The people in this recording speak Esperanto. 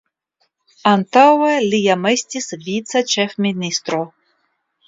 Antaŭe li jam estis vica ĉefministro.